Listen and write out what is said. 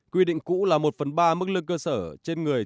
quy định cũ là một phần ba mức lương cơ sở trên người